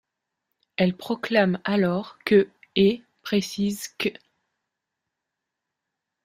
Elle proclame alors que et précise qu'.